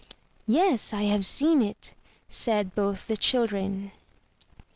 "Yes, I have seen it," said both the children.